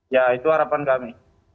ya itu harapan kami